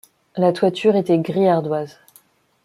La toiture était gris ardoise.